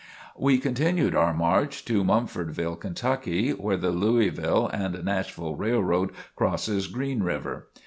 We continued our march to Mumfordville, Kentucky, where the Louisville and Nashville Railroad crosses Green River.